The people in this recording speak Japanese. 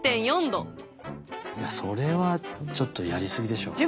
いやそれはちょっとやりすぎでしょう。